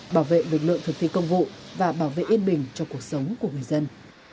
bảo vệ lực lượng thực thi công vụ và bảo vệ yên bình cho cuộc sống của người dân